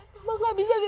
mama tidak bisa makan